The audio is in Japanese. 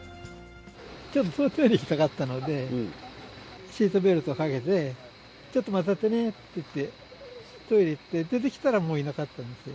ちょっとトイレ行きたかったので、シートベルトをかけて、ちょっと待っていてねって言って、トイレ行って、出てきたら、もう、いなかったんですよ。